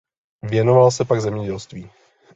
Věnoval se pak zemědělství.